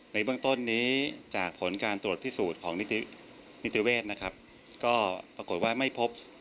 ในเบื้องต้นนี้จากผลการตรวจพิสูจน์ของนิติเวศนะครับก็ปรากฏว่าไม่พบ